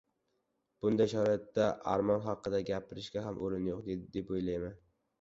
Bunday sharoitda armon haqida gapirishga ham o‘rin yo‘q, deb o‘ylayman.